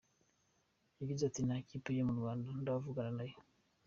Yagize ati “Nta kipe yo mu Rwanda ndavugana nayo.